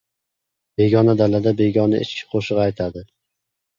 • Begona dalada begona echki qo‘shiq aytadi.